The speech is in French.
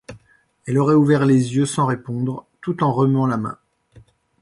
Elle aurait ouvert les yeux sans répondre, tout en remuant la main.